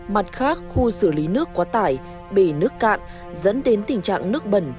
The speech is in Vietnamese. mặt khác khu xử lý nước quá tải bể nước cạn dẫn đến tình trạng nước bẩn